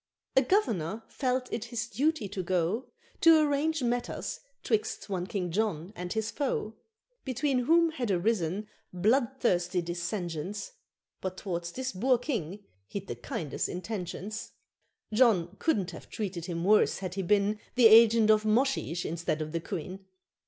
A Governor felt it his duty to go To arrange matters 'twixt one King John and his foe, Between whom had arisen bloodthirsty dissensions, But t'wards this Boer King he'd the kindest intentions. John couldn't have treated him worse had he been The agent of Moshesh instead of the Queen.